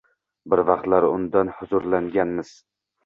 Bir vaqtlar undan huzurlanganmiz